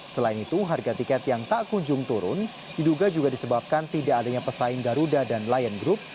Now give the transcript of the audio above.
selain itu harga tiket yang tak kunjung turun diduga juga disebabkan tidak adanya pesaing garuda dan lion group